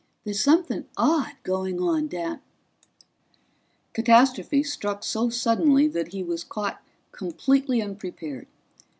There's something odd going on down " Catastrophe struck so suddenly that he was caught completely unprepared.